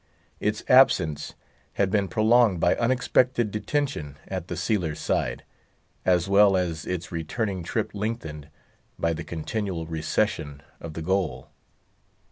Its absence had been prolonged by unexpected detention at the sealer's side, as well as its returning trip lengthened by the continual recession of the goal.